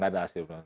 tidak ada hasilnya